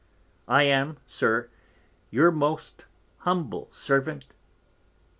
I am Sir, Your most Humble Servant, Tho.